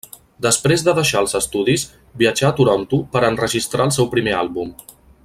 Després de deixar els estudis, viatjà a Toronto per enregistrar el seu primer àlbum.